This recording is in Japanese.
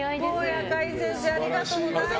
赤井先生ありがとうございます。